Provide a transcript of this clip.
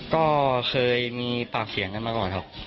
ก็เคยมีปากเสียงกันมาก่อนครับ